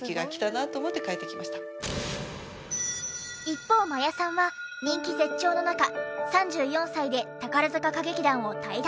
一方真矢さんは人気絶頂の中３４歳で宝塚歌劇団を退団。